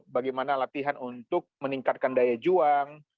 bagaimana latihan untuk meningkatkan daya juang